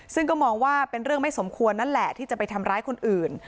ซึ่งก็มองว่าเป็นเรื่องไม่สมควรนั่นแหละที่จะไปทำร้ายคนอื่น